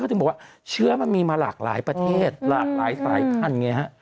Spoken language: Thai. ถึงบอกว่าเชื้อมันมีมาหลากหลายประเทศหลากหลายสายพันธุไงฮะ